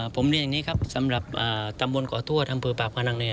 ผมเรียกอย่างนี้ครับสำหรับอ่าตำวนก่อทั่วทำเผื่อปราบคณะเนี่ย